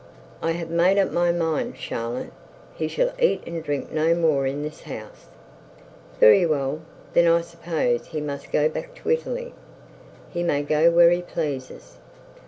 I have made up my mind, Charlotte. He shall eat and drink no more in this house.' 'Very well. Then I suppose he must go back to Italy.' 'He may go where he pleases.'